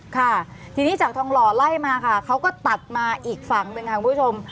ค่ะทีนี้จากทองหล่อไล่มาค่ะเขาก็ตัดมาอีกฝั่งหนึ่งค่ะคุณผู้ชม